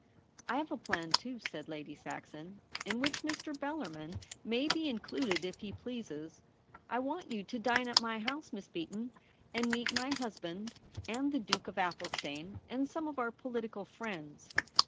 ' I have a plan, too,' said Lady Saxon, ' in which ]\Ir. Bellarmin may be included if he pleases ; I want you to dine at my house, Miss Beaton, and meet my husband and the Duke of Athelstane and some of our political friends.'